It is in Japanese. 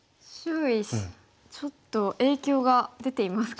ちょっと影響が出ていますか？